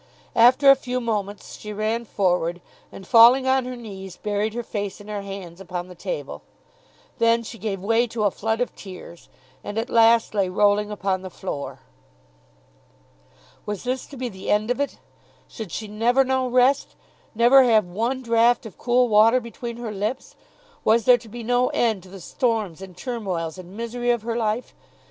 After a few moments she ran forward, and falling on her knees, buried her face in her hands upon the table. Then she gave way to a flood of tears, and at last lay rolling upon the floor. Was this to be the end of it? Should she never know rest; never have one draught of cool water between her lips? Was there to be no end to the storms and turmoils and misery of her life?